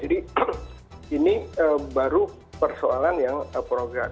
jadi ini baru persoalan yang program